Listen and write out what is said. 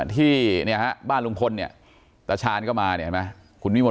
ที่เนี่ยฮะบ้านลุงพลเนี่ยตาชาณิย์ก็มาเนี่ยเห็นไหม